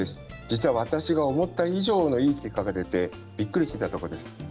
実は、私が思っていた以上のいい結果が出てびっくりしています。